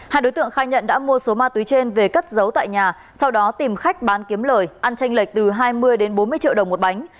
hai đối tượng khai nhận đã mua số ma túy trên về cất giấu tại nhà sau đó tìm khách bán kiếm lời ăn tranh lệch từ hai mươi đến bốn mươi triệu đồng một bánh